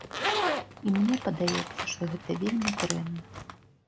І мне падаецца, што гэта вельмі дрэнна.